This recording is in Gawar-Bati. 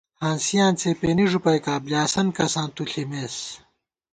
ہانسِیاں څېپېنی ݫُپَئیکا ، بلیاسن کساں تُو ݪِمېس